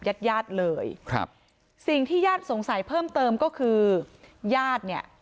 ญาติญาติเลยครับสิ่งที่ญาติสงสัยเพิ่มเติมก็คือญาติเนี่ย